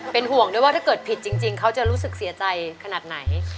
เป็นห่วงด้วยว่าถ้าเกิดผิดจริงเขาจะรู้สึกเสียใจขนาดไหน